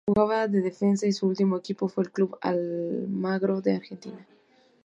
Jugaba de defensa y su último equipo fue el Club Almagro de Argentina.